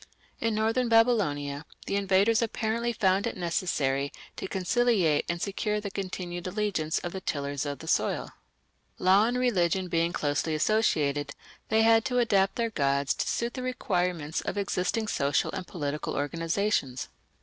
In northern Babylonia the invaders apparently found it necessary to conciliate and secure the continued allegiance of the tillers of the soil. Law and religion being closely associated, they had to adapt their gods to suit the requirements of existing social and political organizations.